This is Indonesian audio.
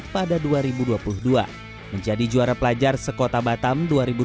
pada dua ribu dua puluh dua menjadi juara pelajar sekota batam dua ribu dua puluh